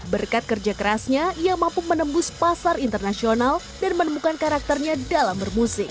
berkat kerja kerasnya ia mampu menembus pasar internasional dan menemukan karakternya dalam bermusik